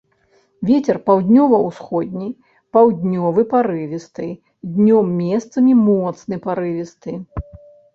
Вецер паўднёва-ўсходні, паўднёвы парывісты, днём месцамі моцны парывісты.